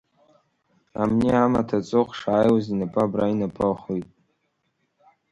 Амни амаҭ аҵыхә шааиуаз инапы абра, инапы ахәит.